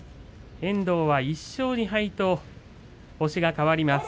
遠藤も１勝２敗と星が変わりました。